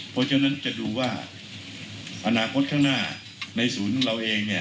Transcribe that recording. เพราะฉะนั้นจะดูว่าอนาคตข้างหน้าในศูนย์ของเราเองเนี่ย